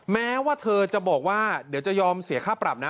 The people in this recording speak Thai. แม้ว่าเธอจะบอกว่าเดี๋ยวจะยอมเสียค่าปรับนะ